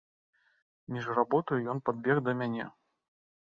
Між работаю ён падбег да мяне.